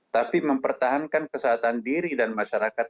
tapi mempertahankan kesehatan diri dan masyarakat